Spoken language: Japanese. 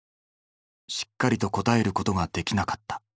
しっかりと答えることができなかった。